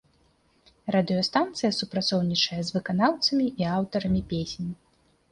Радыёстанцыя супрацоўнічае з выканаўцамі і аўтарамі песень.